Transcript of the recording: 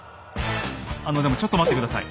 あのでもちょっと待って下さい。